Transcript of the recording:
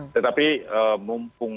tetapi mumpung ini